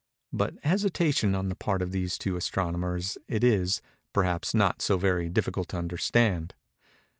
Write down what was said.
But hesitation on the part of these two astronomers it is, perhaps, not so very difficult to understand.